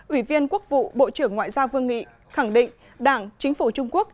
ủy viên quốc vụ bộ trưởng ngoại giao vương nghị khẳng định đảng chính phủ trung quốc